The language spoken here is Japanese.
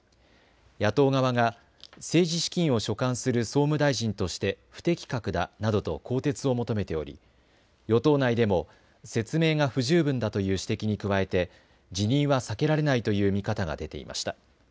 野党側が政治資金を所管する総務大臣として不適格だなどと更迭を求めており、与党内でも説明が不十分だという指摘に加えて辞任は避けられないという見方が出ていました。